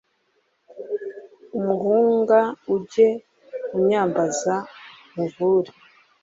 umuhunga. ujye unyambaza nkuvure